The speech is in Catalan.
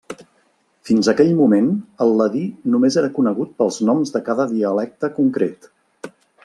Fins aquell moment el ladí només era conegut pels noms de cada dialecte concret.